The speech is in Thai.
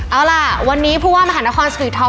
เอาล่ะวันนี้ผู้ว่ามหานครสวิทธิ์ท้อม